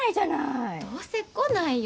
どうせ来ないよ！